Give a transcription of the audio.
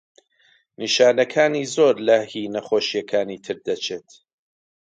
نیشانەکانی زۆر لە هی نەخۆشییەکانی تر دەچێت.